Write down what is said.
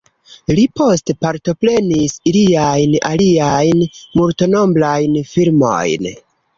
Li poste partoprenis iliajn aliajn multnombrajn filmojn.